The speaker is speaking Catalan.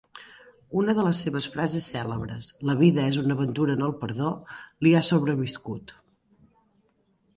Una de les seves frases cèlebres, "La vida és una aventura en el perdó", li ha sobreviscut.